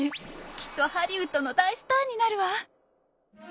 きっとハリウッドの大スターになるわ。